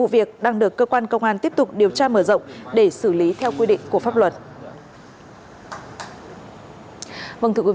vụ việc đang được cơ quan công an tiếp tục điều tra mở rộng để xử lý theo quy định của pháp luật